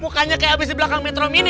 mukanya kayak abis di belakang metro mini